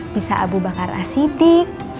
bisa abu bakar asidik